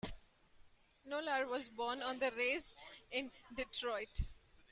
Nolan was born and raised in Detroit.